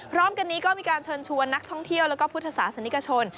พร้อมกันนี้ก็มีการเชิญชวนนักท่องเที่ยวแล้วก็พุทธศาสนิกชน